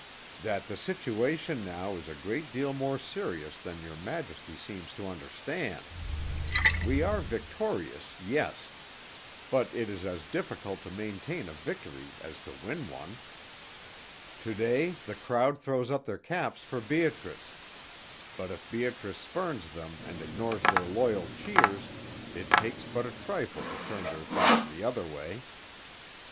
"That the situation now is a great deal more serious than your Majesty seems to understand. We are victorious, yes. But it is as difficult to maintain a victory as to win one. To day the crowd throw up their caps for Beatrice, but if Beatrice spurns them and ignores their loyal cheers, it takes but a trifle to turn their thoughts the other way.